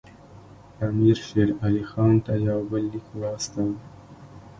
امیر شېر علي خان ته یو بل لیک واستاوه.